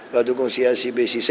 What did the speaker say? gak dukung si a si b si c